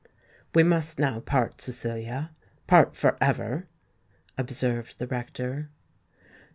"We must now part, Cecilia—part for ever," observed the rector.